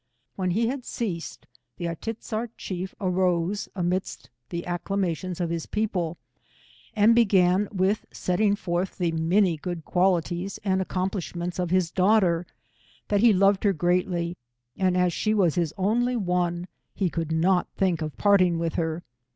When he had ceased, the A i tiz zart chief arose amidst the acclamations of his people^ and began with setting forth the many good qua lities and accomplishments of his daughter; that he loved her greatly, and as she was his only one, he could not think of parting with her.